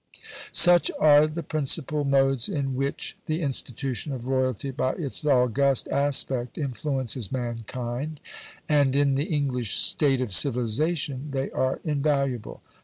Such are the principal modes in which the institution of royalty by its august aspect influences mankind, and in the English state of civilisation they are invaluable.